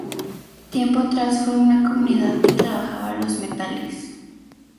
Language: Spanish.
Tiempo atrás fue una comunidad que trabajaba los metales.